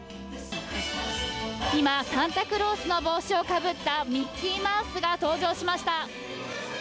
今、サンタクロースの帽子をかぶったミッキーマウスが登場しました。